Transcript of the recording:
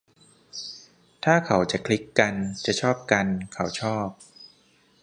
ถ้าเขาจะคลิกกัน จะชอบกัน เขาชอบ